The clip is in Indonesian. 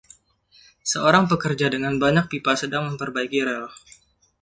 Seorang pekerja dengan banyak pipa sedang memperbaiki rel.